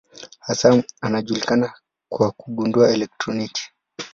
Hasa anajulikana kwa kugundua elektroni.